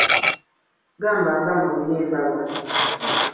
Gamba nga mu luyimba luno